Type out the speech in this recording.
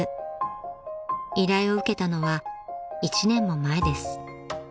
［依頼を受けたのは１年も前です］